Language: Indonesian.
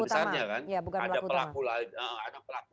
besarnya kan ada pelaku